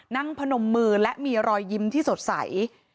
พนมมือและมีรอยยิ้มที่สดใส